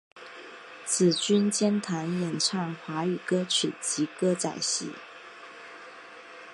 紫君兼擅演唱华语歌曲及歌仔戏。